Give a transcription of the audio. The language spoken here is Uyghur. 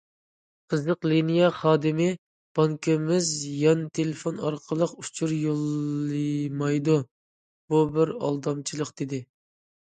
قىزىق لىنىيە خادىمى: بانكىمىز يان تېلېفون ئارقىلىق ئۇچۇر يوللىمايدۇ، بۇ بىر ئالدامچىلىق، دېدى.